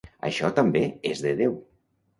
Això, també, és de Déu.